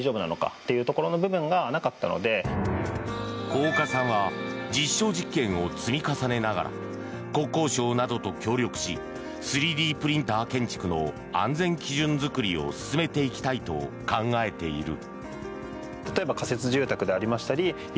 大岡さんは実証実験を積み重ねながら国交省などと協力し３Ｄプリンター建築の安全基準作りを進めていきたいと考えている。